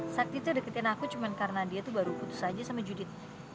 sakti tuh deketin aku cuman karena dia tuh baru putus aja sama judit